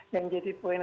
yang jadi poin